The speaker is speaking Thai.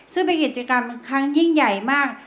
ซึ่งเป็นกิจกรรมบางครั้งยิ่งใหญ่มาก